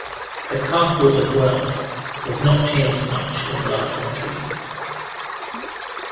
The castle as well was not changed much in the last centuries.